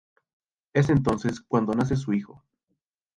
Es entonces cuando nace su hijo.